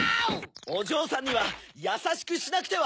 おじょうさんにはやさしくしなくては！